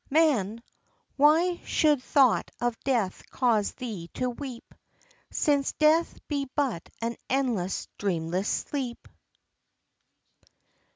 Man, why should thought of death cause thee to weep; Since death be but an endless, dreamless sleep?